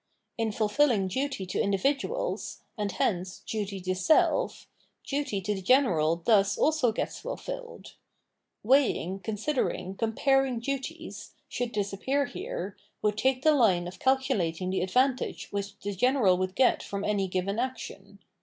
In ful filling duty to indi'viduals, and hence duty to self, duty to the general thus also gets fulfilled. Weighing, con sidering, comparing duties, should this appear here, would take the line of calculating the advantage which the general would get from any given action.